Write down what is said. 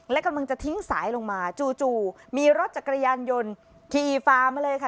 และกำลังจะทิ้งสายลงมาจู่มีรถจักรยานยนต์ขี่ฟามาเลยค่ะ